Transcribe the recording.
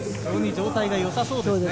状態がよさそうですね。